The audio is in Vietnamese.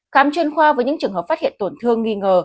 khám chuyên khoa với những trường hợp phát hiện tổn thương nghi ngờ